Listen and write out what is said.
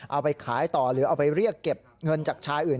เอาไปขายต่อหรือเอาไปเรียกเก็บเงินจากชายอื่น